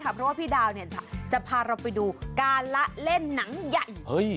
เพราะว่าพี่ดาวจะพาเราไปดูการละเล่นหนังใหญ่